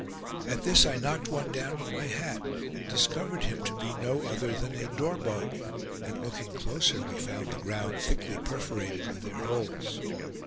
At this I knocked one down with my hat, and discovered him to be no other than a "dorbug"; and looking closer, we found the ground thickly perforated with their holes.